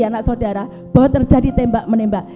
anak saudara bahwa terjadi tembak menembak